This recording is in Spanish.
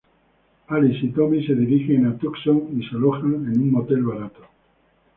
Alice y Tommy se dirigen a Tucson y se alojan en un motel barato.